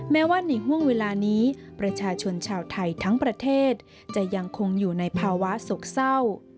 แม้ว่าในห่วงเวลานี้ประชาชนชาวไทยทั้งประเทศจะยังคงอยู่ในภาวะโศกเศร้า